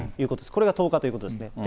これが１０日ということですね。